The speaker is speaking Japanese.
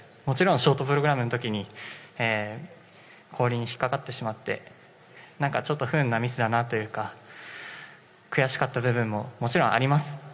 もちろんショートプログラムの時に氷に引っかかってしまってちょっと不運なミスだなというか悔しかった部分ももちろんあります。